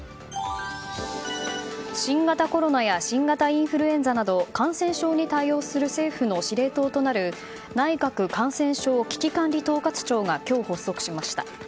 新型コロナや新型インフルエンザなど感染症に対応する政府の司令塔となる内閣感染症危機管理統括庁が今日、発足しました。